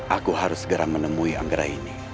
aku harus segera menemui anggraini